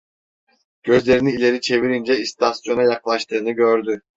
Gözlerini ileri çevirince istasyona yaklaştığını gördü.